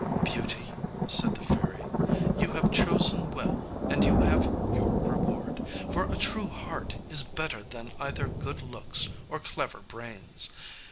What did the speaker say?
"Beauty," said the fairy, "you have chosen well, and you have your reward, for a true heart is better than either good looks or clever brains.